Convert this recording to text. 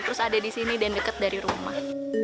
terus ada di sini dan dekat dari rumah